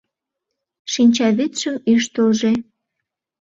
Шинчавӱдшым ӱштылжӧ.